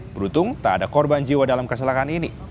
beruntung tak ada korban jiwa dalam kecelakaan ini